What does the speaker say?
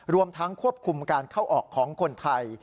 รวมทั้งควบคุมการเข้าออกของคนไทย